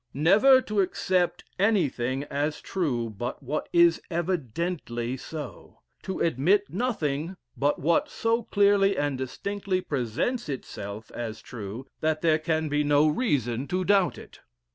Never to accept anything as true but what is evidently so; to admit nothing but what so clearly and distinctly presents itself as true, that there can be no reason to doubt it.